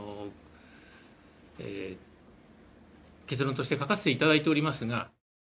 として書かせていただいておりますが。